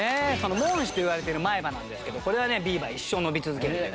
門歯といわれている前歯なんですけどこれはねビーバー一生伸び続ける。